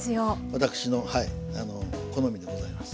私の好みでございます。